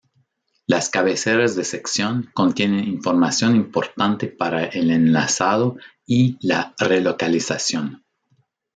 Las cabeceras de sección contienen información importante para el enlazado y la relocalización.